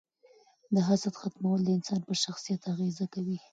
د حسد ختمول د انسان په شخصیت اغیزه کوي.